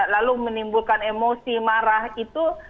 lalu menimbulkan emosi marah itu